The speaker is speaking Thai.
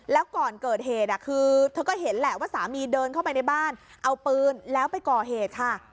แล้วก่อนเกิดเหตุคือเธอก็เห็นแหละว่าสามีเดินเข้าไปในบ้านเอาปืนแล้วไปก่อเหตุค่ะ